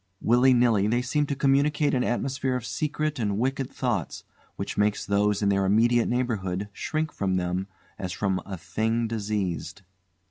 Willy nilly, they seem to communicate an atmosphere of secret and wicked thoughts which makes those in their immediate neighbourhood shrink from them as from a thing diseased.